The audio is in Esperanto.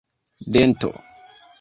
dento